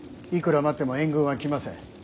いくら待っても援軍は来ません。